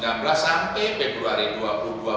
dari bulan februari dua ribu sembilan belas sampai